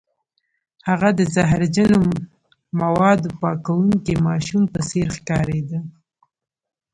هغه د زهرجن موادو پاکوونکي ماشوم په څیر ښکاریده